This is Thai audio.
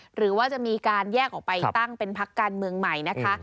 หรือว่าจะมีการแยกออกไปตั้งเป็นพักการเมืองใหม่นะคะ